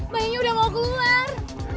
bayinya udah mau keluar